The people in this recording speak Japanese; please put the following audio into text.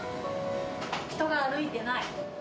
人が歩いてない。